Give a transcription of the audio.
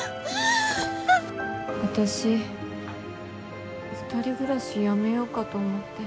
私２人暮らしやめようかと思って。